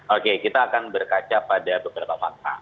oke kita akan berkaca pada beberapa fakta